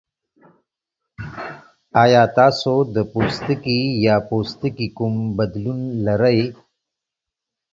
ایا تاسو د پوستکي یا پوستکي کوم بدلون لرئ؟